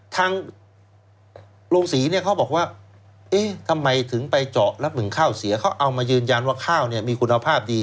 ตั้งโรงสือเขาบอกว่าทำไมถึงไปเจาะและมึงข้าวเสียเค้าเอายืนยันว่าข้าวมีคุณภาพดี